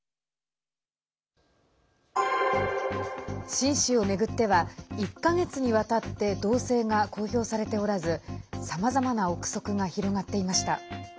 秦氏を巡っては１か月にわたって動静が公表されておらずさまざまな憶測が広がっていました。